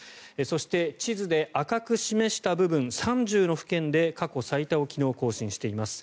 そして、地図で赤く示した部分３０の府県で過去最多を昨日更新しています。